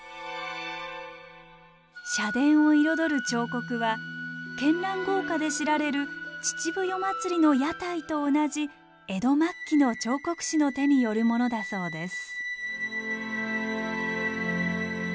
社殿を彩る彫刻は絢爛豪華で知られる秩父夜祭の屋台と同じ江戸末期の彫刻師の手によるものだそうです。